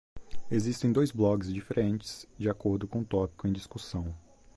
Existem dois blogs diferentes de acordo com o tópico em discussão.